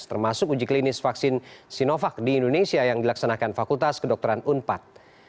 termasuk uji klinis vaksin sinovac di indonesia yang dilaksanakan fakultas kedokteran unpad